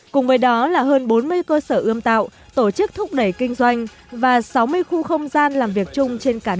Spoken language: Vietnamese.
cùng với đó là hơn bốn mươi cơ sở ươm tạo tổ chức thúc đẩy kinh doanh và sáu mươi khu không gian làm việc chung